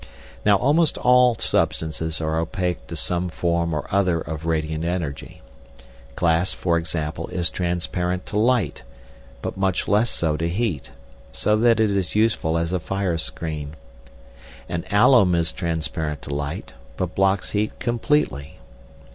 Now almost all substances are opaque to some form or other of radiant energy. Glass, for example, is transparent to light, but much less so to heat, so that it is useful as a fire screen; and alum is transparent to light, but blocks heat completely.